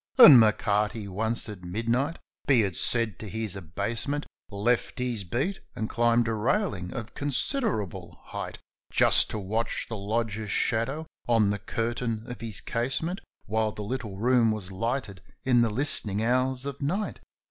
And M'Carty, once at midnight be it said to his abasement Left his beat and climbed a railing of considerable height, Just to watch the lodger's shadow on the curtain of his casement While the little room was lighted in the listening hours of night.